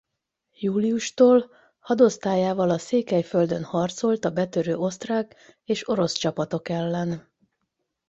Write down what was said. Júliustól hadosztályával a Székelyföldön harcolt a betörő osztrák és orosz csapatok ellen.